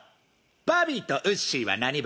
バビーとうっしーは何部？